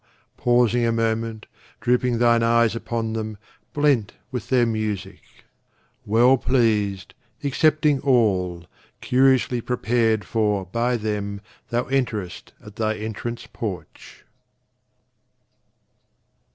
pausing a moment, drooping thine eyes upon them, blent with their music, Well pleased, accepting all, curiously prepared for by them, Thou enterest at thy entrance porch.